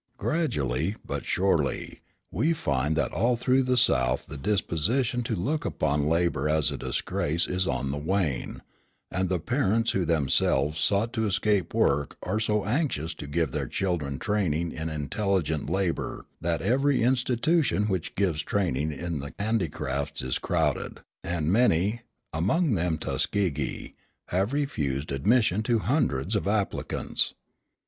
Gradually, but surely, we find that all through the South the disposition to look upon labour as a disgrace is on the wane; and the parents who themselves sought to escape work are so anxious to give their children training in intelligent labour that every institution which gives training in the handicrafts is crowded, and many (among them Tuskegee) have to refuse admission to hundreds of applicants.